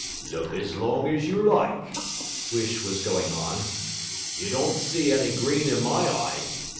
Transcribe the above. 'Look as long as you like,' Huish was going on. 'You don't see any green in my eye!